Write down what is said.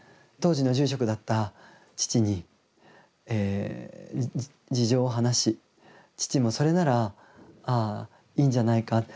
当時の住職だった父に事情を話し父も「それならいいんじゃないか。